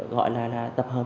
gọi là tập hợp